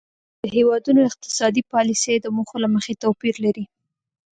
د هیوادونو اقتصادي پالیسۍ د موخو له مخې توپیر لري